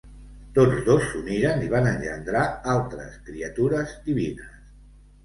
Tots dos s'uniren i van engendrar altres criatures divines.